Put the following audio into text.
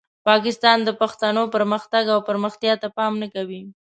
پاکستان د پښتنو پرمختګ او پرمختیا ته پام نه کوي.